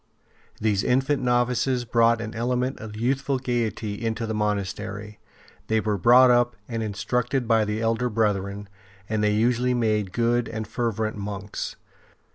These infant novices brought an element of youthful gaiety into the monastery, they were brought up and in structed by the elder brethren, and they usually made good and fervent monks.